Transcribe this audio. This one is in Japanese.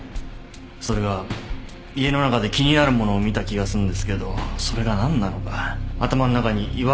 それが家の中で気になるものを見た気がすんですけどそれが何なのか頭の中に違和感がどんと居座ってて。